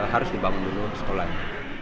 harus dibangun dulu sekolahnya